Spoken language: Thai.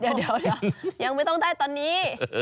เดี๋ยวยังไม่ต้องได้ตอนนี้